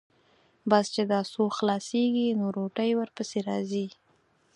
بس چې دا څو خلاصېږي، نو روټۍ ورپسې راځي.